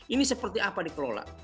ini seperti apa dikelola